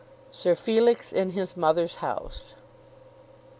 SIR FELIX IN HIS MOTHER'S HOUSE.